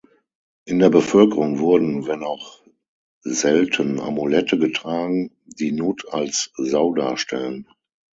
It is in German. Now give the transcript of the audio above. In der Bevölkerung wurden, wenn auch selten, Amulette getragen, die Nut als Sau darstellten.